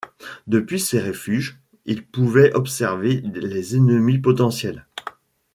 Depuis ces refuges, ils pouvaient observer les ennemis potentiels.